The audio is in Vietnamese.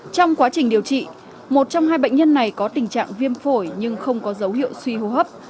trong quá trình điều trị một trong hai bệnh nhân này có tình trạng viêm phổi nhưng không có dấu hiệu suy hô hấp